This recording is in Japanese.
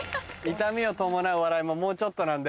痛みを伴う笑いももうちょっとなんで。